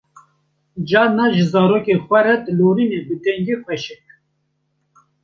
carna jî zarokê xwe re dilorîne bi dengê xweşik.